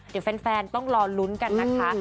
เดี๋ยวแฟนต้องรอลุ้นกันนะคะ